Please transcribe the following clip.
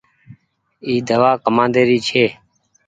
اي دوآ ڪمآندي ري ڇي۔